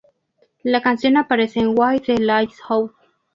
La canción aparece en "With the Lights Out".